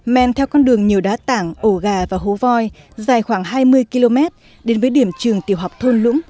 men theo con đường nhiều đá tảng ổ gà và hố voi dài khoảng hai mươi km đến với điểm trường tiểu học thôn lũng